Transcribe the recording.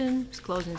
dengan penutupan di atas